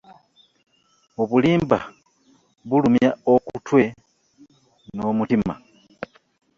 .Obulimba bulumya okutwe n'omutima.